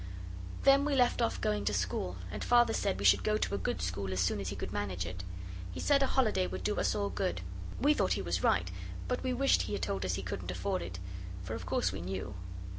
Then we left off going to school, and Father said we should go to a good school as soon as he could manage it. He said a holiday would do us all good. We thought he was right, but we wished he had told us he couldn't afford it. For of course we knew.